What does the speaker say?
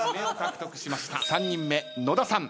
３人目野田さん